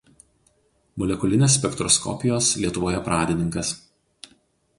Molekulinės spektroskopijos Lietuvoje pradininkas.